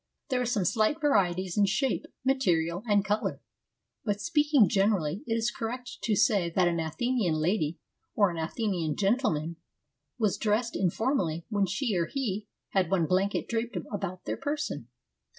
There were some slight varieties in shape, material, and colour, but, speaking generally, it is correct to say that an Athenian lady — or an Athenian gentleman ATHENS IN THE FIFTH CENTURY 61 was dressed informally when she or he had one blanket draped about their person.